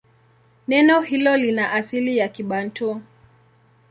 Neno hilo lina asili ya Kibantu.